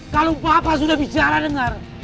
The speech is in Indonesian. kalau bapak sudah bicara dengar